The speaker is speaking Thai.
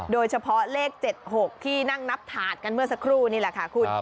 โดยเฉพาะเลข๗๖ที่นั่งนับถาดกันเมื่อสักครู่นี่แหละค่ะคุณ